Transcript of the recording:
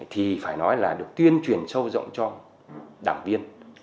thì phải nói là được tuyên truyền sâu rộng cho đảng viên